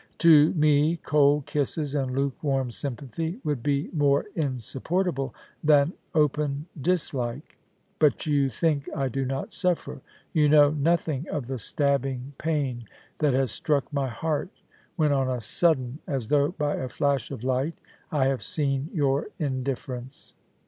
To me cold kisses and lukewarm sympathy would be more insupportable than open dislike. But you think I do not suffer. You know nothing of the stabbing pain that has struck my heart, when on a sudden, as though by a flash of light, I have seen your indifference.